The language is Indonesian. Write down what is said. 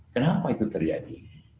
kenapa itu terjadi